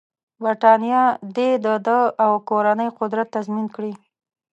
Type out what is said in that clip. برټانیه دې د ده او کورنۍ قدرت تضمین کړي.